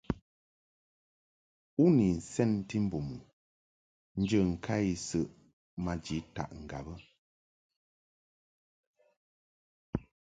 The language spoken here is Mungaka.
U ni nsɛnti mbum u njə ŋka isəʼɨ maji taʼ ŋgab?